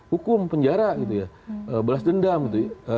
hukum penjara balas dendam gitu ya